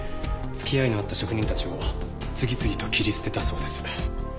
付き合いのあった職人たちを次々と切り捨てたそうです。